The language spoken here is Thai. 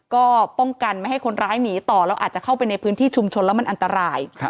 ก็ป้องกันไม่ให้คนร้ายหนีต่อแล้วอาจจะเข้าไปในพื้นที่ชุมชนแล้วมันอันตราย